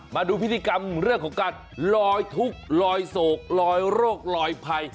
มาดูพิธีกรรมเรื่องของการลอยทุกข์ลอยโศกลอยโรคลอยภัย